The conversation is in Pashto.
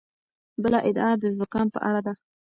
بله ادعا د زکام په اړه ده.